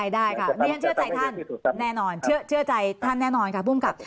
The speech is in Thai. ได้ค่ะนี่ฉันเชื่อใจท่านแน่นอนเชื่อใจท่านแน่นอนค่ะภูมิกับ